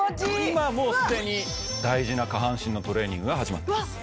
今もう既に大事な下半身のトレーニングが始まってます。